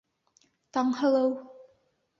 Таңһылыу.